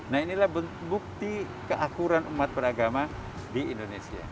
nah inilah bukti keakuran umat beragama di indonesia